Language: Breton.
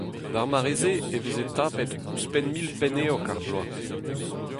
D'ar mare-se e veze tapet ouzhpenn mil penn-eog ar bloaz.